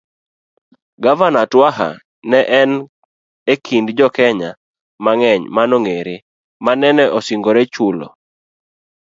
Gavana Twaha ne en e kind jokenya mang'eny manong'ere manene osingore chulo